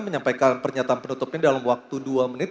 menyampaikan pernyataan penutupnya dalam waktu dua menit